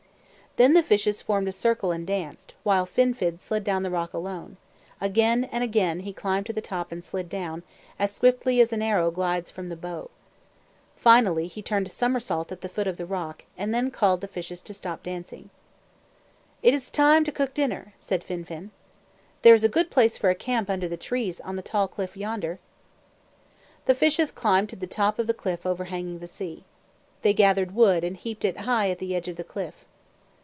Then the fishes formed a circle and danced, while Fin fin slid down the rock alone. Again and again he climbed to the top and slid down, as swiftly as an arrow glides from the bow. Finally he turned a somersault at the foot of the rock, and then called to the fishes to stop dancing. "It is time to cook dinner," said Fin fin. "There is a good place for a camp under the trees on the tall cliff yonder." The fishes climbed to the top of the cliff overhanging the sea. They gathered wood and heaped it high at the edge of the cliff.